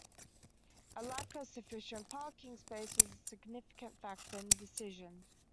A lack of sufficient parking space was a significant factor in the decision.